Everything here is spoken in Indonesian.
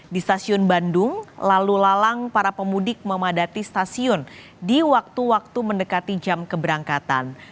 di stasiun bandung lalu lalang para pemudik memadati stasiun di waktu waktu mendekati jam keberangkatan